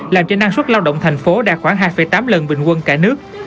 làm cho năng suất lao động thành phố đạt khoảng hai tám lần bình quân cả nước